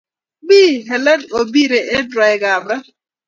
Mite Helen obiri en rwaek ab Raa